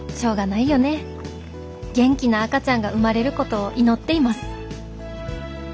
元気な赤ちゃんが生まれることを祈っています」。